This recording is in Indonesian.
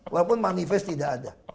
walaupun manifest tidak ada